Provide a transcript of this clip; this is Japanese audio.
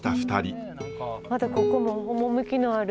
またここも趣のある。